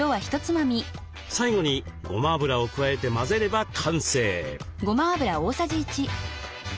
最後にごま油を加えて混ぜれば完成。